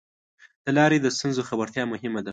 د لارې د ستونزو خبرتیا مهمه ده.